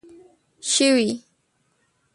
شوې